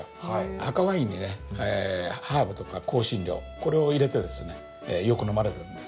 赤ワインにねハーブとか香辛料これを入れてですねよく飲まれてるんです。